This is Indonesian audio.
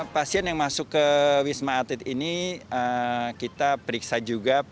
pasien yang masuk ke wisma atlet ini kita periksa juga